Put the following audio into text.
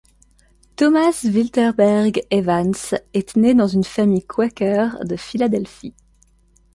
Thomas Wiltberger Evans est né dans une famille quaker de Philadelphie.